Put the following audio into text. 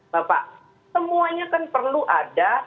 bapak semuanya kan perlu ada